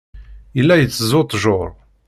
Yella iteẓẓu ttjur.